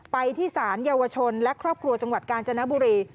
ไปที่ศาลเยาวชนและครอบครัวจังหวัดกาญจนบุรี